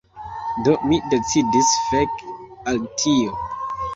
Do, mi decidis fek' al tio